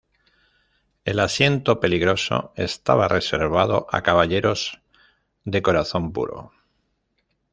El asiento peligroso estaba reservado a caballeros de corazón puro.